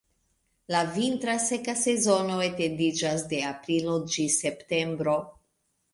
La vintra seka sezono etendiĝas de aprilo ĝis septembro.